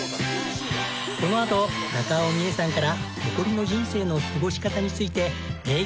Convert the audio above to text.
このあと中尾ミエさんから残りの人生の過ごし方について名言が飛び出します！